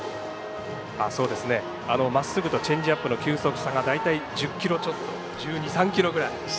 まっすぐとチェンジアップの球速差が大体１２１３キロぐらい。